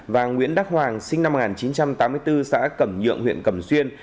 và nguyễn đắc hoàng sinh năm một nghìn chín trăm tám mươi bốn xã cẩm nhượng huyện cẩm xuyên